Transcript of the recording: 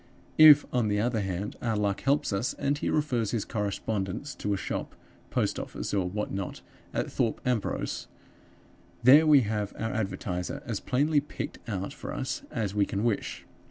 If, on the other hand, our luck helps us, and he refers his correspondents to a shop, post office, or what not at Thorpe Ambrose, there we have our advertiser as plainly picked out for us as we can wish.